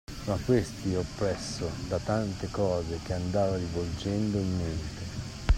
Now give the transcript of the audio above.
Ma questi oppresso da tante cose che andava rivolgendo in mente